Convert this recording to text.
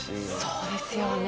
そうですよね。